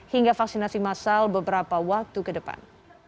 hingga vaksinasi massal beberapa waktu ke depan